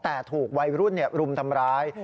แต่ถูกวัยรุ่นรุมทำร้าย